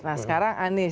nah sekarang anies